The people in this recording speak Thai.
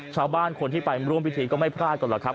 ชาวบ้านคนที่ไปร่วมพิธีก็ไม่พลาดก่อนหรอกครับ